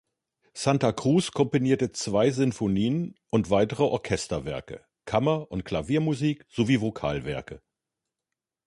Santa Cruz komponierte zwei Sinfonien und weitere Orchesterwerke, Kammer- und Klaviermusik sowie Vokalwerke.